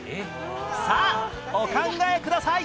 さあお考えください！